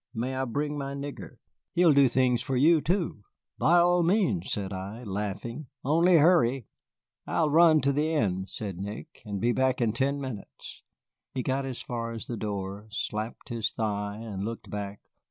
May I bring my nigger? He'll do things for you too." "By all means," said I, laughing, "only hurry." "I'll run to the inn," said Nick, "and be back in ten minutes." He got as far as the door, slapped his thigh, and looked back.